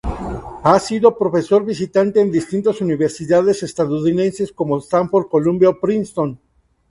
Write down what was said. Ha sido profesor visitante en distintas universidades estadounidenses como Stanford, Columbia o Princeton.